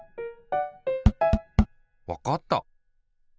わかった！